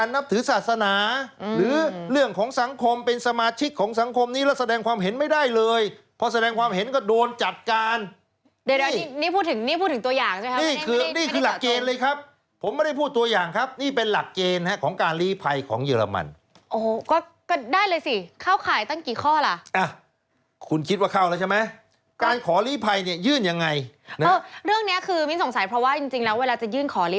นับถือศาสนาหรือเรื่องของสังคมเป็นสมาชิกของสังคมนี้แล้วแสดงความเห็นไม่ได้เลยพอแสดงความเห็นก็โดนจัดการเดี๋ยวนี่พูดถึงตัวอย่างใช่ไหมครับนี่คือหลักเกณฑ์เลยครับผมไม่ได้พูดตัวอย่างครับนี่เป็นหลักเกณฑ์ของการลีภัยของเยอรมันโอ้โหก็ได้เลยสิเข้าข่ายตั้งกี่ข้อล่ะคุณคิดว่าเข้